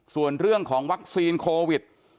ส่วนเรื่องของวัคซีนโควิด